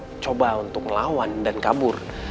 dia sempat coba untuk melawan dan kabur